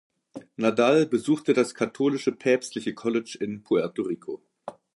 Nadal besuchte das katholische, päpstliche College in Puerto Rico.